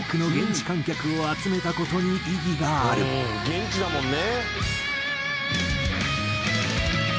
現地だもんね」